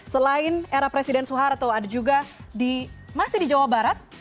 selain era presiden soeharto ada juga masih di jawa barat